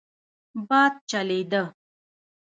باد چلېده.